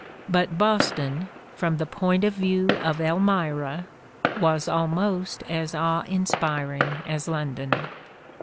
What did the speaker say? '' But Boston, from the point of view of Elmira, was almost as awe inspiring as London.